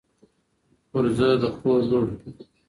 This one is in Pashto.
خورزه د خور لور